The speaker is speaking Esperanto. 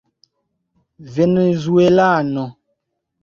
venezuelano